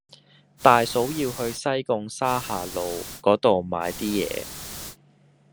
大嫂要去西貢沙下路嗰度買啲嘢